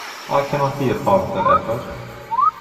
I cannot be a part of that effort.